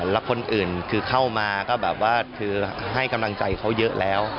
แล้วคนอื่นคือเข้ามาก็แบบว่าคือให้กำลังใจเขาเยอะแล้ว